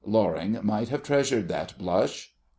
Loring might have treasured that blush.